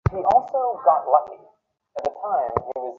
সংযোগ ঘটলেই আমরা মানুষের সঙ্গে মিশতে পারি, নতুন তথ্য অনুসন্ধান করতে পারি।